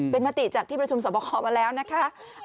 เป็นมติจากที่ประชุมสอบคอมาแล้วนะคะ